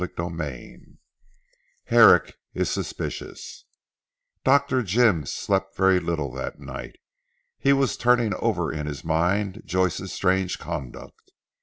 CHAPTER IX HERRICK IS SUSPICIOUS Dr. Jim slept very little that night. He was turning over in his mind Joyce's strange conduct.